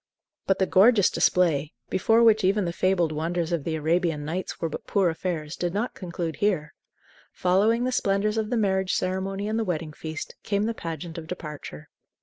But the gorgeous display, before which even the fabled wonders of the "Arabian Nights" were but poor affairs, did not conclude here. Following the splendors of the marriage ceremony and the wedding feast, came the pageant of departure.